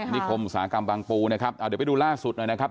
นิคมอุตสาหกรรมบางปูนะครับเดี๋ยวไปดูล่าสุดหน่อยนะครับ